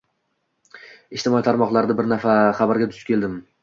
Ijtimoiy tarmoqlarda bir xabarga duch keldim